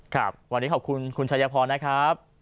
ครับวันนี้ขอบคุณคุณชายพรนะครับ